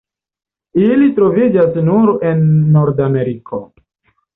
Ili troviĝas nur en Nordameriko.